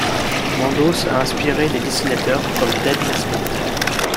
Mandos a inspiré les dessinateurs, comme Ted Nasmith.